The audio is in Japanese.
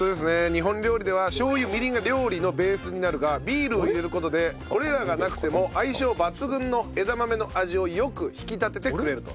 日本料理ではしょう油みりんが料理のベースになるがビールを入れる事でこれらがなくても相性抜群の枝豆の味をよく引き立ててくれると。